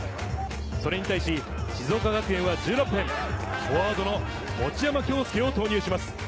それに対し静岡学園は１６分、フォワードの持山匡佑を投入します。